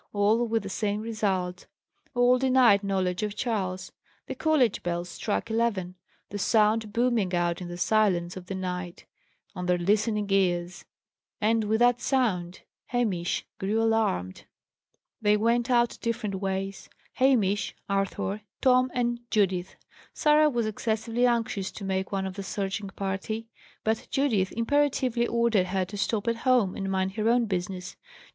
All with the same result; all denied knowledge of Charles. The college bell struck eleven, the sound booming out in the silence of the night on their listening ears; and with that sound, Hamish grew alarmed. They went out different ways: Hamish, Arthur, Tom, and Judith. Sarah was excessively anxious to make one of the searching party, but Judith imperatively ordered her to stop at home and mind her own business.